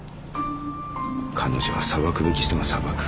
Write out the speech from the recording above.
彼女は裁くべき人が裁く。